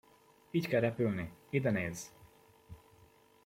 Így kell repülni, ide nézz!